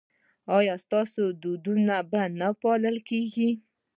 ایا ستاسو دودونه به نه پالل کیږي؟